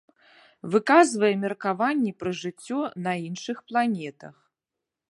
Выказвае меркаванні пра жыццё на іншых планетах.